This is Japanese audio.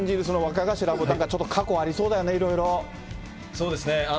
その若頭も、ちょっと過去ありそうだよね、いそうですね。